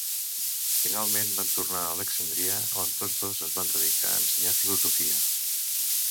Finalment, van tornar a Alexandria, on tots dos es van dedicar a ensenyar filosofia.